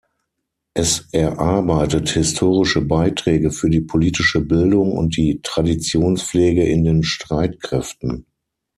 Es erarbeitet historische Beiträge für die politische Bildung und die Traditionspflege in den Streitkräften.